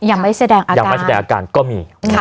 ยังไม่แสดงอาการยังไม่แสดงอาการก็มี